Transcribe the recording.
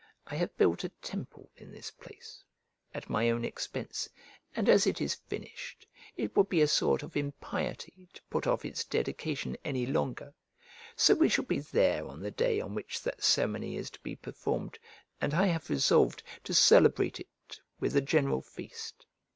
I have built a temple in this place, at my own expense, and as it is finished, it would be a sort of impiety to put off its dedication any longer. So we shall be there on the day on which that ceremony is to be performed, and I have resolved to celebrate it with a general feast.